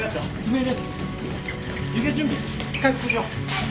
はい。